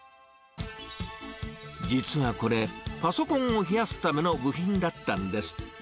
実はこれ、パソコンを冷やすための部品だったんです。